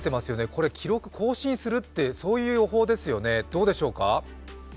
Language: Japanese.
これ、記録更新するって、そういう予報ですよね、どうでしょうか。